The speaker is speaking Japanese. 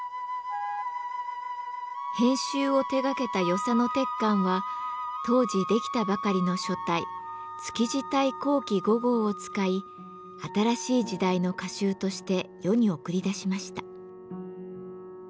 編集を手がけた与謝野鉄幹は当時出来たばかりの書体築地体後期五号を使い新しい時代の歌集として世に送り出しました。